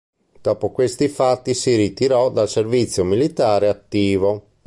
Dopo questi fatti si ritirò dal servizio militare attivo.